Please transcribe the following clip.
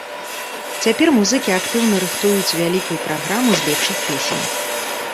Цяпер музыкі актыўна рыхтуюць вялікую праграму з лепшых песень.